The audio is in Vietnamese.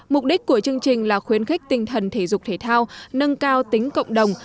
mục đích của chương trình là khuyến khích tinh thần thể dục thể thao nâng cao tính cộng đồng